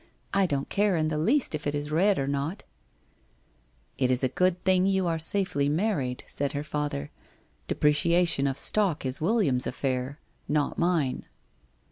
I don't care in the least if it is red or not/ * It is a good thing you are 6afely married,' said her father. ' Depreciation of stock is William's affair, not mine.'